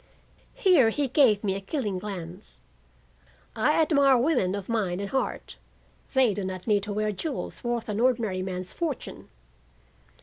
Here he gave me a killing glance. "I admire women of mind and heart. They do not need to wear jewels worth an ordinary man's fortune."